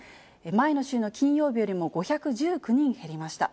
前の週の金曜日よりも５１９人減りました。